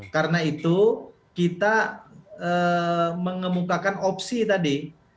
karena itu kita mengemukakan opsi tadi